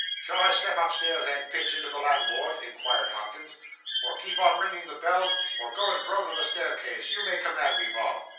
'Shall I step upstairs, and pitch into the landlord?' inquired Hopkins, 'or keep on ringing the bell, or go and groan on the staircase? You may command me, Bob.